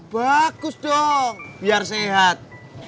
bagus dong biar sehat